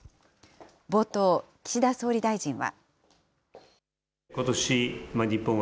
冒頭、岸田総理大臣は。